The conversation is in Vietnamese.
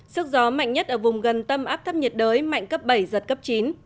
sức gió mạnh nhất ở vùng gần tâm áp thấp nhiệt đới mạnh cấp bảy giật cấp chín